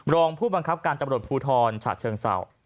รองผู้บังคับการตำรวจภูทรฉะเชิงเศร้า